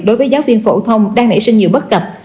đối với giáo viên phổ thông đang nảy sinh nhiều bất cập